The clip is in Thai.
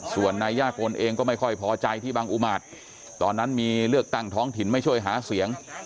ส่วนนายย่ากลเองก็ไม่ค่อยพอใจที่บางอุมาตรตอนนั้นมีเลือกตั้งท้องถิ่นไม่ช่วยหาเสียง